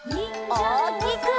おおきく！